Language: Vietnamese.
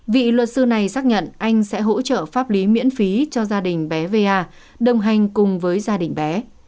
vị luật sư này xác nhận anh sẽ hỗ trợ pháp lý miễn phí cho gia đình bé đồng hành cùng với gia đình bé